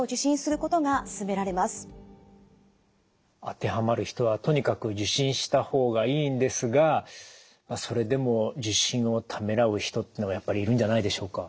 当てはまる人はとにかく受診した方がいいんですがそれでも受診をためらう人というのはやっぱりいるんじゃないでしょうか？